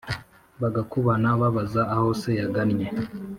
bagakubana babaza aho se yagannye